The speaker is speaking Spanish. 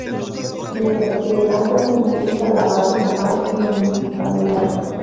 Mientras que el ancla simboliza la base naval en la municipalidad.